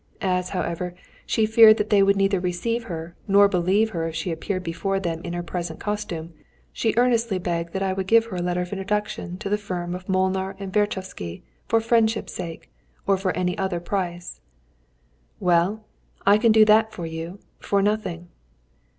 As, however, she feared that they would neither receive her nor believe her if she appeared before them in her present costume, she earnestly begged that I would give her a letter of introduction to the firm of Molnár & Vérchovszky for friendship's sake or for any other price. "Well, I can do that for you for nothing."